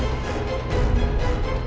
ya kita kembali ke sekolah